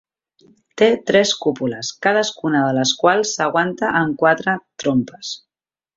Té tres cúpules, cadascuna de les quals s'aguanta amb quatre trompes.